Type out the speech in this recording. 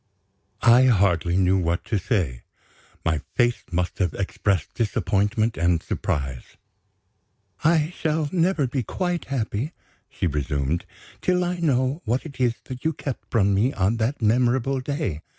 I hardly knew what to say. My face must have expressed disappointment and surprise. "I shall never be quite happy," she resumed, "till I know what it is that you kept from me on that memorable day.